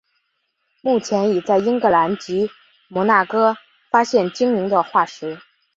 目前已在英格兰及摩纳哥发现鲸龙的化石。